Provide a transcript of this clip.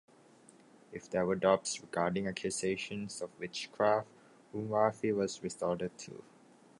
If there were doubts regarding accusations of witchcraft, 'Umwafi' was resorted to.